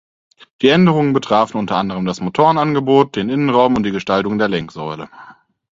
Die Änderungen betrafen unter anderem das Motorenangebot, den Innenraum und die Gestaltung der Lenksäule.